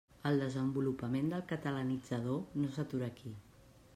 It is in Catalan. El desenvolupament del Catalanitzador no s'atura aquí.